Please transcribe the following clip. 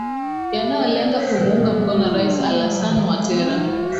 yanayolenga kumuunga mkono rais alasan watera